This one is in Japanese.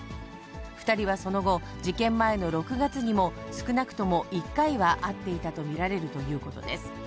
２人はその後、事件前の６月にも、少なくとも１回は会っていたと見られるということです。